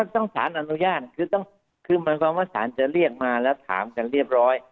สารอนุญาตคือหมายความว่าสารจะเรียกมาแล้วถามกันเรียบร้อย